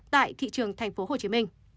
tại thị trường tp hcm